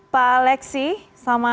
pak lexi selamat malam